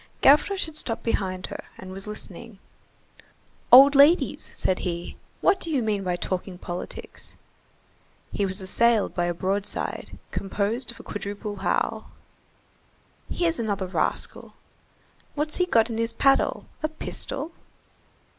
Gavroche had stopped behind her and was listening. "Old ladies," said he, "what do you mean by talking politics?" He was assailed by a broadside, composed of a quadruple howl. "Here's another rascal." "What's that he's got in his paddle? A pistol?"